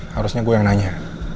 harusnya gue yang nanya